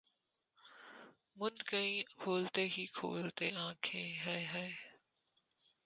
مُند گئیں کھولتے ہی کھولتے آنکھیں ہَے ہَے!